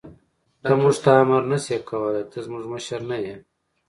ته موږ ته امر نه شې کولای، ته زموږ مشر نه یې.